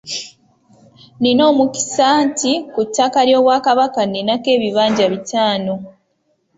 Nina omukisa nti ku ttaka ly’Obwakabaka ninako ebibanja bitaano.